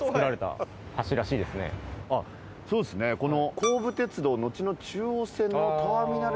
そうですねこの。